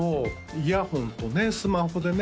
イヤホンとねスマホでね